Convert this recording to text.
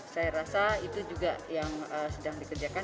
saya rasa itu juga yang sedang dikerjakan